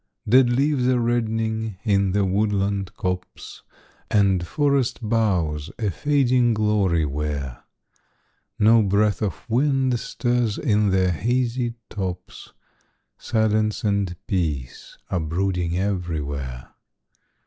Dead leaves are reddening in the woodland copse, And forest boughs a fading glory wear; No breath of wind stirs in their hazy tops, Silence and peace are brooding everywhere.